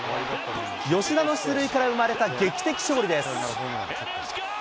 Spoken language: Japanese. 吉田の出塁から生まれた劇的勝利です。